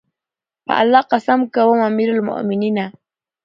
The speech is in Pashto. په الله قسم کوم امير المؤمنینه!